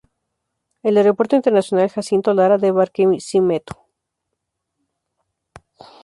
El Aeropuerto Internacional Jacinto Lara de Barquisimeto.